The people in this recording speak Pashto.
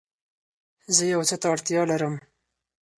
زه يو څه ته اړتيا لرم